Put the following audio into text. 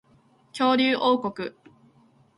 恐竜王国